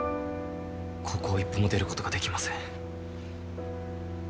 ここを一歩も出ることができません。